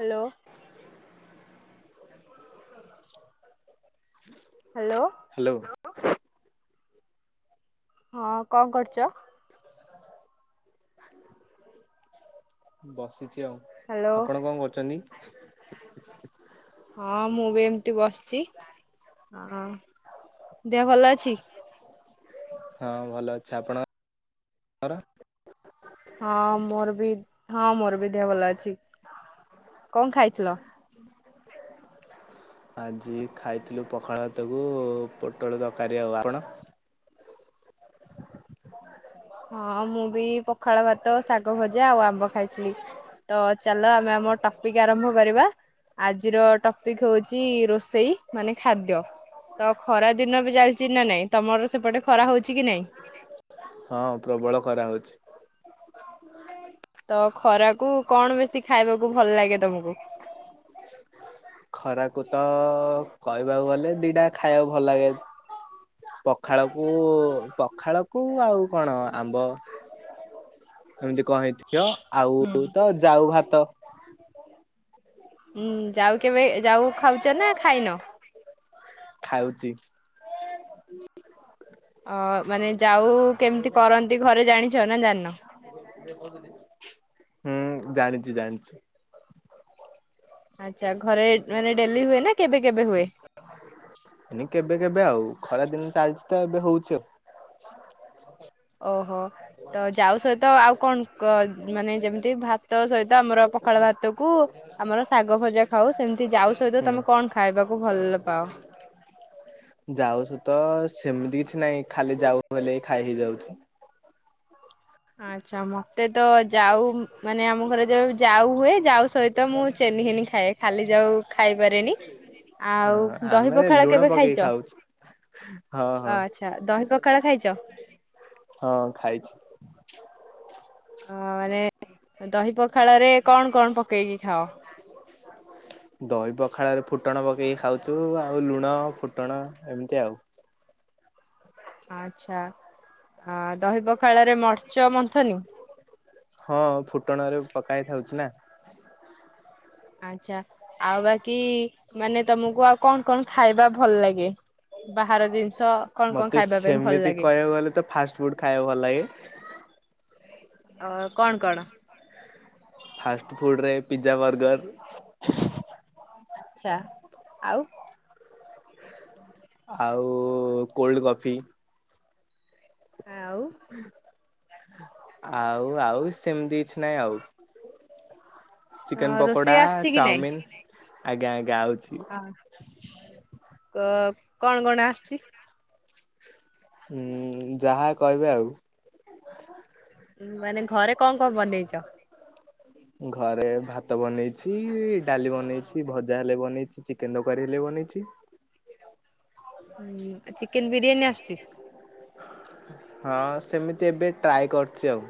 Hello [inaudible] hello hello ହଁ କଣ କରୁଚ? ବସିଛି ଆଉ। ହ୍ୟାଲୋ ଆପଣ କଣ କରୁଛନ୍ତି? ହଁ ମୁଁ ବି ଏମିତି ବସିଛି ହଁ ଦେହ ଭଲ ଅଛି? ହଁ ଭଲ ଅଛି ଆପଣର? ହଁ ମୋର ବି ହଁ ମୋର ବି ଦେହ ଭଲ ଅଛି କଣ ଖାଇଥିଲ? [inaudible] ଆଜି ଖାଇଥିଲୁ ପଖାଳ ଭାତକୁ ପୋଟଳ ଦରକାରୀ ଆଉ ଆପଣ? ହଁ ମୁଁ ବି ପଖାଳ ଭାତ ଶାଗ ଭଜା ଆଉ ଆମ୍ବ ଖାଇଥିଲି। ତ ଚାଲ ଆମେ ଆମ ଟପିକ୍ ଆରମ୍ଭ କରିବା। ଆଜିର ଟପିକ୍ ହଉଛି ରୋଷେଇ ମାନେ ଖାଦ୍ୟ। ତ ଖରା ଦିନ ବି ଚାଲିଛି ନା ନାଇଁ ତମର ସେପଟେ ଖରା ହଉଛି କି ନାଇଁ? ହଁ ପ୍ରବଳ ଖରାହଉଛି। ତ ଖରାକୁ କଣ ବେଶି ଖାଇବାକୁ ଭଲ ଲାଗେ ତମକୁ? ଖରାକୁ ତ କହିବାକୁ ଗଲେ ଦିଟା ଖାଇବାକୁ ଭଲ ଲାଗେ ପଖାଳକୁ ପଖାଳକୁ ଆଉ କଣ ଆମ୍ବ। ଏମିତି କହିଥିବ ଆଉ ହୁଁ ତ ଯାଉ ଭାତ। ହୁଁ ଯାଉ କେବେ ଯାଉ ଖାଉଛ ନା ଖାଇନ? ଖାଉଛି। ଅ ମାନେ ଯାଉ କେମିତି କରନ୍ତି ଘରେ ଜାଣିଛ ନା ଜାଣିନ? ହୁଁ ଜାଣିଛି ଜାଣିଛି। ଆଚ୍ଛା ଘରେ ମାନେ ଡେଲି ହୁଏ ନା କେବେ କେବେ ହୁଏ? ଏ କେବେ କେବେ ଆଉ ଖରା ଦିନ ଚାଲିଛି ତ ଏବେ ହଉଛି ଆଉ। ଓହୋ। ତ ଯାଉ ସହିତ ଆଉ କଣ ମାନେ ଯେମିତି ଭାତ ସହିତ ଆମର ପଖାଳ ଭାତ କୁ ଆମର ଶାଗ ଭଜା ଖାଉ, ସେମିତି ଯାଉ ସହିତ ହୁଁ। ତମେ କଣ ଖାଇବାକୁ ଭଲ ପାଅ? ଯାଉ ସାହିତ ସେମିତି କିଛି ନହିଁ ଖାଲି ଯାଉ ବଲେ ଖାଇ ହେଇ ଯାଉଛି। ଆଚ୍ଛା ମତେ ତ ଯାଉ ମାନେ ଆମ ଘରେ ଯୋଉ ଯାଉ ହୁଏ ଯାଉ ସହିତ ତ ମୁଁ ଚିନି ଘେନି ଖାଏ ଖାଲି ଯାଉ ଖାଇପାରେନି। ଆଉ ହଁ ଦହି ଆମେ ପଖାଳ ଲୁଣ କେବେ ପକେଇକି ଖାଇଛ? ଖାଉଛୁ ହଁ। ହଁ ଅ ଆଚ୍ଛା ଦହି ପଖାଳ ଖାଇଛ? ହଁ ଖାଇଛି। ଅ ମାନେ ଦହି ପଖାଳରେ କଣ କଣ ପକେଇକି ଖାଅ? ଦହି ପଖାଳରେ ଫୁଟଣ ପକେଇକି ଖାଉଛୁ ଆଉ ଲୁଣ ଫୁଟଣ ଏମିତି ଆଉ। ଆଛା ଅ ଦହିପଖାଳରେ ମର୍ଚ ମନ୍ଥନୀ। ହଁ ଫୁଟଣରେ ପକାଇ ଖାଉଛି ନା। ଆଛା ଆଉ ବାକି ମାନେ ତମକୁ ଆଉ କଣ କଣ ଖାଇବା ଭଲ ଲାଗେ? ବାହାର ଜିନିଷ କଣ କଣ ମତେ ଖାଇବା ପାଇଁ ଭଲ ସେମିତି ଲାଗେ? କହିବାକୁ ଗଲେ ତ ଫାଷ୍ଟ ଫୁଡ ଖାଇବାକୁ ଭଲ ଲାଗେ। ଅ କଣ କଣ? ଫାଷ୍ଟ ଫୁଡ ରେ ପିଜା ବର୍ଗର। ଆଛା, ଆଉ? ଆଉ କୋଲ୍ଡ କଫି। ଆଉ [unintelligible] ଆଉ ଆଉ ସେମିତି କିଛି ନାହିଁ ଆଉ। ଚିକେନ ପକୋଡା, ରୋଷେଇ ଆସିଛି କି ଚାଉମିିନ ଆଜ୍ଞା ଆଜ୍ଞା ଗାଉଛି। ଅ କ କଣ କଣ ଆସୁଛି। ହୁଁ ଯାହା କହିବେ ଆଉ। ମାନେ ଘରେ କଣ କଣ ବନେଇଛ? [unintelligible] [inaudible] ଘରେ ଭାତ ବନେଇଛି, ଡାଲି ବନେଇଛି, ଭଜା ହେଲେ ବନେଇଛି, ଚିକେନ ତରକାରୀ ହେଲେ ବନେଇଛି। ହୁଁ ଚିକେନ ବିରିୟାନୀ ଆସୁଛି? ହଁ ସେମିତି ଏବେ ଟ୍ରାଏ କରଛି ଆଉ।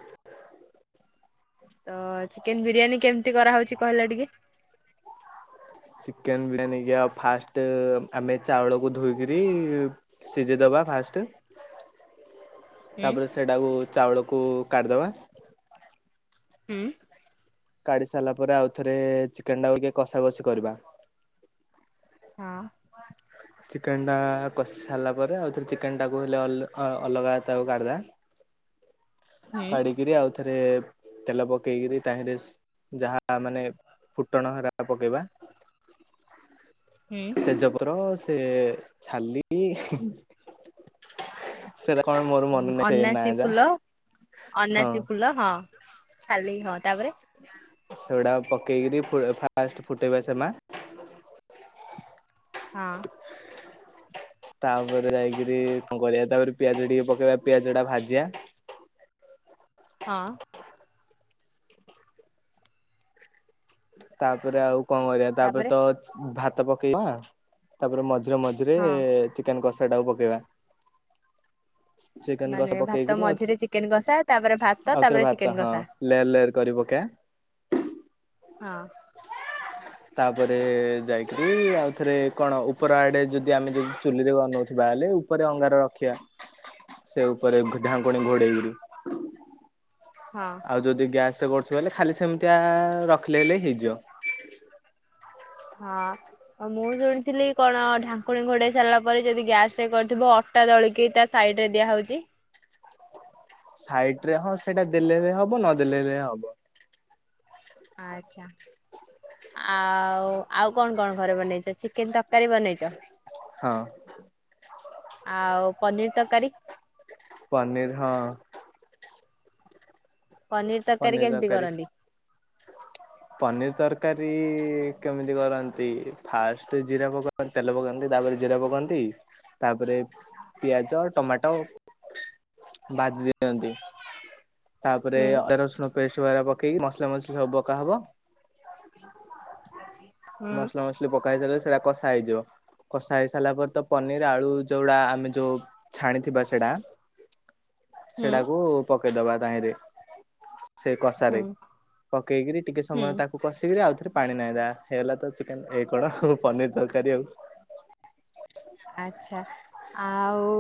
ତ ଚିକେନ ବିରିୟାନୀ କେମିତି କରାହେଉଛି କହିଲା ଟିକେ? ଚିକେନ ବିରିୟାନୀକି ଆଉ ଫାଷ୍ଟ ଆମେ ଚାଉଳକୁ ଧୋଇକିରି ସିଝେ ଦବା ଫାଷ୍ଟ। ହୁଁ ତାପରେ ସେଟାକୁ ଚାଉଳକୁ କାଢିଦବା। ହୁଁ। କାଢି ସାରିଲା ପରେ ଆଉ ଥରେ ଚିକେନ ଟା କୁ ଟିକେ କଷା କଷି କରିବା। ହଁ। ଚିକେନ ଟା କଷି ସାରିଲା ପରେ ଆଉ ଥରେ ଚିକେନ ଟାକୁ ହେଲେ ଅଲ ଅଲଗା ତାକୁ କାଢ଼ିଦବା। ହୁଁ। କାଢିକିରି ଆଉ ଥରେ ତେଲ ପକେଇକିରି ତାହେରେ ଯାହା ମାନେ ଫୁଟଣ ହେରା ପକେଇବା। ହୁଁ ତେଜପତ୍ର ସେ ଛାଲି ସେଇ କଣ ମୋ ହଁ ଅନାସୀ ଫୁଲ ହଁ ଅନାସୀ ଫୁଲ ହଁ ଛାଲି ହଁ ତାପରେ। ସେଗୁଡା ପକେଇକରି ଫାଷ୍ଟ ଫୁଟେଇବା ସେମା ହଁ ତାପରେ ଯାଇକିରି କଣ କରିବା ତାପରେ ପିଆଜ ଟିକେ ପକେଇବା ପିଆଜ ଟା ଭାଜିବା ହଁ ତାପରେ ଆଉ କଣ କରିବା ତାପରେ ତ ଭାତ ପକେଇବା ତାପରେ ମଝିରେ ମଝିରେ ହଁ ରେ ଚିକେନ କଷା ଟାକୁ ପକେଇବା। ଚିକେନ ହ କଷା ମାନେ ଭାତ ପକେଇକିରି ଆଉ ମଝିରେ ଚିକେନ କଷା ତାପରେ ଭାତ ଆଉଥରେ ତାପରେ ଭାତ ଚିକେନ ହଁ କଷା। ଲେୟାର ଲେୟାର କରି ପକେଇବା ହଁ ତାପରେ ଯାଇକିରି ଆଉ ଥରେ କଣ ଉପର ଆଡେ ଯଦି ଆମେ ଯଦି ଚୁଲିରେ ବନଉଥିବା ହେଲେ। ଉପରେ ଅଙ୍ଗାର ରଖିବା। ସେ ଉପରେ ଢାଙ୍କୁଣି ଘୋଡେଇକିରି। ହଁ ଆଉ ଯଦି ଗ୍ୟାସରେ କରୁଥିବ ହେଲେ ଖାଲି ସେମିତିଆ ରଖିଲେ ହେଲେ ହେଇଯିବ। ହଁ ମୁଁ ଶୁଣିଥିଲି କଣ ଢାଙ୍କୁଣୀ ଘୋଡେଇ ସାରିଲା ପରେ ଯଦି ଗ୍ୟାସ କରିଥିବ ଅଟା ଦଳିକି ତା ସାଇଡ ରେ ଦିଆ ହଉଛି। ସାଇଟ ରେ ହଁ ସେଇଟା ଦେଲେ ହବ ନଦେଲେ ହବ। ଆଚ୍ଛା ଆଉ ଆଉ କଣ କଣ ଘରେ ବନେଇଛ ଚିକେନ ତରକାରୀ ବନେଇଛ। ହଁ ଆଉ ପନିର ତରକାରୀ ପନିର ହଁ ପନିର ତରକାରୀ କେମିତି କରନ୍ତି। ପନିର ତରକାରୀ କେମିତି କରନ୍ତି ଫାଷ୍ଟ ଜିରା ପକା ତେଲ ପକାନ୍ତି ତାପରେ ଜିରା ପକାନ୍ତି ତାପରେ ପିଆଜ ଟମାଟୋ ବାଜି ଦିଅନ୍ତି। ତାପରେ ହୁଁ ଅଦା ରସୁଣ ପେଷ୍ଟ ବାା ପକେଇକି ମସଲା ମସଲି ସବୁ ପକା ହବ ହୁଁ ମସଲା ମସଲି ପକା ହେଇସାରିଲ ସେଟା କଷା ହେଇଯିବ। କଷା ହେଇ ସାରିଲା ପରେ ତ ପନିର ଆଳୁ ଯୋଉଟା ଆମେ ଯୋଉ ଛାଣିଥିବା ସେଇଟା ହୁଁ ସେଟାକୁ ପକେଇଦବା ତାହିଁରେ। ସେ ହୁଁ କଷାରେ ପକେଇକିରି ଟିକେ ହୁଁ ସମୟ ତାକୁ କଷିକିରି ଆଉ ଥରେ ପାଣି ନାାଇଁ ଦା ହେଇଗଲା ତ ଚିକେନ ଏଇ କଣ ଆଉ ପନିର ତରକାରୀ ଆଉ। ଆଛା ଆଉ।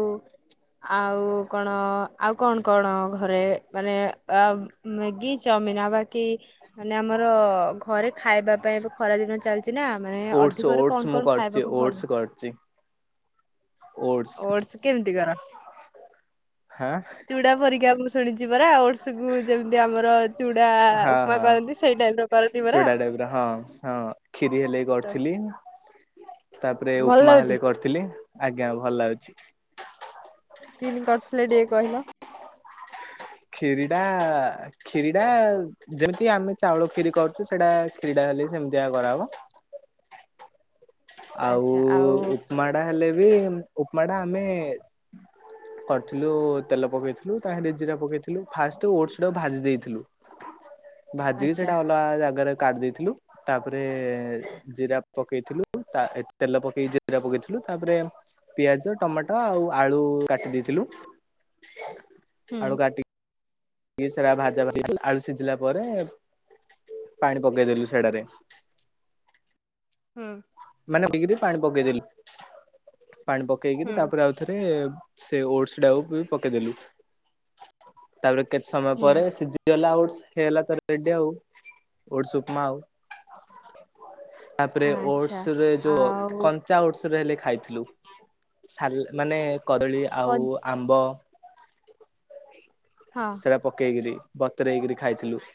ଆଉ କଣ ଆଉ କଣ କଣ ଘରେ ମାନେ ଅ ମ୍ୟାଗି ଚାଉମିିନ ଆ ବାକି ମାନେ ଆମର ଘରେ ଖାଇବା ପାଇଁ ଏବେ ଖରା ଦିନ ଚାଲିଛି ନା ମାନେ ଅଧିକରେ କଣ କଣ ଖାଇବାକୁ ଭଲ ପଡଚି ଓଡସ କେମିତି କର? ହାଁ ଚୁଡ଼ା ପରିକା ମୁଁ ଶୁଣିଛି ପରା ଓଡସ୍। ଗୁ ଯେମିତି ଆମର ଚୁଡ଼ା ହଁ ଉପମା ହଁ କରନ୍ତି ସେଇ ଟାଇପ ର କରନ୍ତି ପରା। ଚୁଡା ଟାଇପ ହଁ ହଁ କ୍ଷିରି ହେଲେ ତ କରିଥିଲି ତାପରେ ଭଲ ଉପମା ଲାଗୁଛି ହେଲେ କରିଥିଲ ଥିଲି ଆଜ୍ଞା ଭଲ ଲାଗୁଛି। କିନ୍ତି କରୁଥିଲେ ଟିକେ କହିଲ? ଖିରିଟା କ୍ଷୀରିଟା ଯେମିତି ଆମେ ଚାଉଳ କ୍ଷୀରି କରୁଛେ ସେଟା କ୍ଷୀରି ହେଲେ ସେମିତିଆ କରାହେବ। [inaudible] ଆଉ ଆଚ୍ଛା ଆଉ ଉପମାଟା ହେଲେ ବି ହେମ ଉପମାଟା ଆମେ କରିଥିଲୁ ତେଲ ପକେଇଥିଲୁ ତାହିଁରେ ଜିରା ପକେଇଥିଲୁ। ହେଲେ ଫାଷ୍ଟ ଓଟସ ଗୁଡାକୁ ଭାଜି ଦେଇଥିଲୁ ଭାଜିକି ଆଚ୍ଛା ସେଇଟା ଅଲଗା ଜାଗାରେ କାଢି ଦେଇଥିଲୁ ତାପରେ ଜିରା ପକେଇଥିଲୁ ତା ତେଲ ପକେଇ ଜିରା ପକେଇଥିଲୁ ତାପରେ ପିଆଜ ଟମାଟୋ ଆଉ ଆଳୁ କାଟି ଦେଇଥିଲୁ [inaudible] ଆଳୁ କାଟିି କି ସେଟା ଭାଜା ଭାଜି ଆଳୁ ସିଝିଲା ପରେ ପାଣି ପକେଇଦେଲୁ ସେଟାରେ ହୁଁ ମାନେ ଦେଇକରି ପାଣି ପକେଇଦେଲୁ ପାଣି ପକେଇକିରି ହୁଁ ତାପରେ ଆଉ ଥିରେ ସେ ଓଟସ ଗୁଡ଼ାକୁ ବି ପକେଇଦେଲୁ। ତାପରେ କେତେ ସମୟ ହୁଁ ପରେ ସିଝି ହେଇଗଲା ଓଟସ୍ ହେଇଗଲା ତ ରେଡି ଆଉ ଓଟସ ଉପମା ଆଉ। ତାପରେ ଆଚ୍ଛା ଓଟସରେ ଯୋଉ ଆଉ କନ୍ ଚା ଓଟସରେ ହେଲେ ଖାଇଥିଲୁ ସାଲ୍ ମାନେ କଦଳୀ ଆଉ କଞ୍ଚ ଆମ୍ବ ହଁ। ସେରା ପକେଇକିରି ବତୁରେଇକିରି ଖାଇଥିଲୁ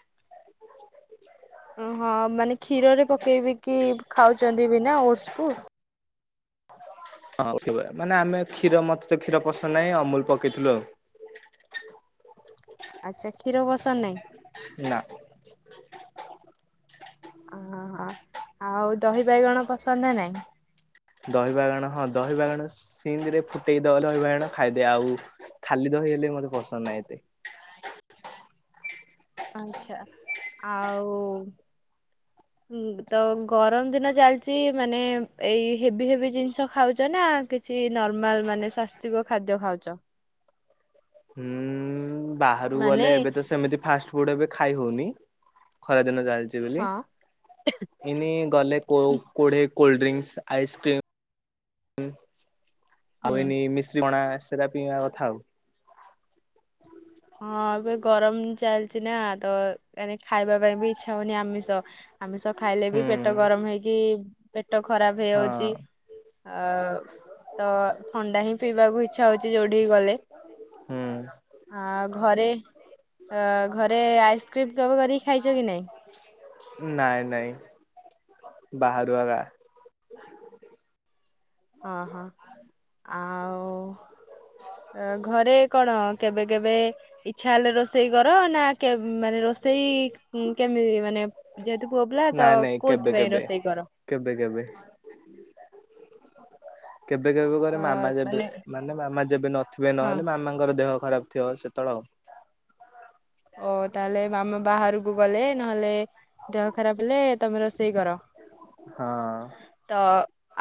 ଉଁ ହଁ ମାନେ କ୍ଷୀରରେ ପକେଇବି କି ଖାଉଛନ୍ତି ବି ନା ଓଟସ କୁ। ହଁ ମାନେ ଆମେ କ୍ଷୀର ମତେ ତ କ୍ଷୀର ପସନ୍ଦ ନାହିଁ ଅମୁଲ ପକେଇଥିଲୁ ଆଉ। ଆଚ୍ଛା କ୍ଷୀର ପସନ୍ଦ ନାହିଁ? ନା ଅ ହ ଆଉ ଦହି ବାଇଗଣ ପସନ୍ଦ ନା ନାଇଁ? ଦହି ବାଇଗଣ ହଁ ଦହିି ବାଇଗଣ ସିମରେ ଫୁଟେଇ ଦବ ଦହି ବାଇଗଣ ଖାଇଦିଏ ଆଉ ଖାଲି ଦହି ହେଲେ ବି ମୋତେ ପସନ୍ଦ ନାହିଁ ଏତେ। ଆଛା ଆଉ ହୁଁ ତ ଗରମ ଦିନ ଚାଲିଛି ମାନେ ଏଇ ହେଭି ହେଭି ଜିନିଷ ଖାଉଛ ନା କିଛି ନର୍ମାଲ ମାନେ ସ୍ଵାସ୍ତିକ ଖାଦ୍ୟ ଖାଉଛ? ହୁଁ ବାହାରୁକୁ ମାନେ ଗଲେ ଏବେ ତ ସେମିତି ଫାଷ୍ଟ ଫୁଡ ଏବେ ଖାଇ ହଉନି ଖରା ଦିନ ଚାଲିଛି। ଚି ବୋଲି ହୁଁ ଏଇନେ ଗଲେ କୋଉ କୋଡେ କୋଲଡ୍ରିଙ୍କସ୍ ଆଇସ୍କ୍ରିମ୍ ଆଉ ହୁଁ ଏଇନେ ମିଶ୍ରୀ ପଣା ସେଟା ପିଇବା କଥା ଆଉ। ହଁ ଏବେ ଗରମ ଚାଲିଛି ନା ତ ମାନେ ଖାଇବା ପାଇଁ ବି ଇଚ୍ଛା ହଉନି ଆମିଷ। ଆମିଷ ଖାଇଲେ ହୁଁ ବି ପେଟ ଗରମ ହେଇକି ପେଟ ଖରାପ ହଁ ହେଇଯାଉଛି। ଆଉ ତ ଥଣ୍ଡା ହିଁ ପିଇବାକୁ ଇଛା ହଉଛି ଯୋଉଠିିକି ଗଲେ। ହୁଁ ଆଉ ଘରେ ଅ ଘରେ ଆଇସ୍କ୍ରିମ୍ କେବେ କରିକି ଖାଇଛ କି ନାଇଁ? ନାଇଁ ନାଇଁ ବାହାରୁ ଅଗା। ହଁ ହଁ ଆଉ ଅ ଘରେ କଣ କେବେ କେବେ ଇଚ୍ଛା ହେଲେ ରୋଷେଇ କର ନା କେମ୍ ମାନେ ରୋଷେଇ ଉଁ କେମିତି ମାନେ ଯେହେତୁ ପୁଅପିଲା ତ ନାଇଁ ନାଇଁ କେବେ କୋଉଥିପାଇଁ କେବେ ରୋଷେଇ କର? କେବେ କେବେ। କେବେ କେବେ କରେ ମାମା ଯେବେ ମାନେ ମାମା ଯେବେ ନଥିବେ ହଁ ନହେଲେ ମାମାଙ୍କର ଦେହ ଖରାପ ଥିବ ସେତେବେଳେ ଆଉ। ଓ ତାହେଲେ ମାମା ବାହାରକୁ ଗଲେ ନହେଲେ ଦେହ ଖରାପ ହେଲେ ତମେ ରୋଷେଇ କର। ହଁ। ତ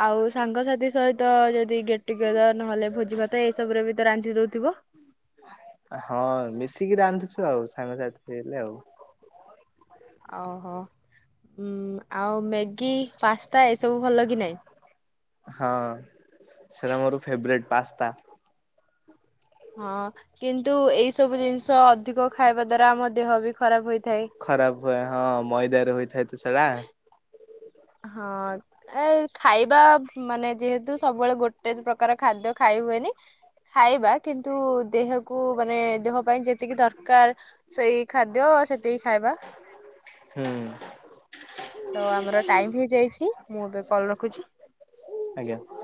ଆଉ ସାଙ୍ଗସାଥି ସହିତ ଯଦି ଗେଟଟୁ ଗେଦର ନହେଲେ ଭୋଜି ଭାତ ଏଇସବୁରେ ବି ତ ରାନ୍ଧି ଦଉଥିବ? ହଁ ମିଶିକି ରାନ୍ଧୁଛୁ ଆଉ ସାଙ୍ଗସାଥି ହେଲେ ଆଉ। ଓହୋ ଉଁ ଆଉ ମ୍ୟାଗି ପାସ୍ତା ଏସବୁ ଭଲ କି ନାଇଁ? ହଁ ସେରା ମୋର ଫେବରେଟ୍ ପାସ୍ତା। ହଁ କିନ୍ତୁ ଏଇ ସବୁ ଜିନିଷ ଅଧିକ ଖାଇବା ଦ୍ଵାରା ଆମ ଦେହ ବି ଖରାପ ହୋଇଥାଏ। ଖରାପ ହୁଏ ହଁ ମଇଦାରେ ହୋଇଥାଏ ତ ସେଡ଼ା। ହଁ ଏଇ ଖାଇବା ମାନେ ଯେହେତୁ ସବୁବେଳେ ଗୋଟେ ପ୍ରକାର ଖାଦ୍ୟ ଖାଇ ହୁଏନି ଖାଇବା କିନ୍ତୁ ଦେହକୁ ମାନେ ଦେହ ପାଇଁ ଯେତିକି ଦରକାର ସେଇ ଖାଦ୍ୟ ସେତିକି ଖାଇବା। ହୁଁ ତ ଆମର ଟାଇମ ହେଇଯାଇଛି ମୁଁ ଏବେ କଲ ରଖୁଚି। ଆଜ୍ଞା।